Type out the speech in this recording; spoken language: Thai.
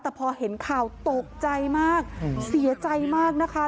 แต่พอเห็นข่าวตกใจมากเสียใจมากนะคะ